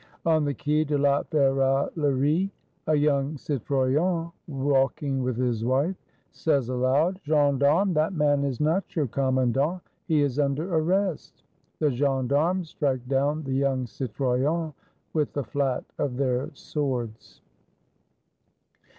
On the Quai de la Ferraillerie, a young Citoyen, walking with his wife, says aloud: "Gendarmes, that man is not your Commandant; he is under arrest." The Gendarmes strike down the young Citoyen with the fiat of their swords.